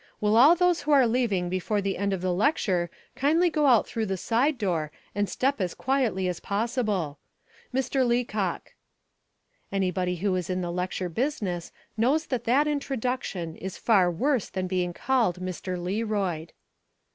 Will all those who are leaving before the end of the lecture kindly go out through the side door and step as quietly as possible? Mr. Leacock." Anybody who is in the lecture business knows that that introduction is far worse than being called Mr. Learoyd.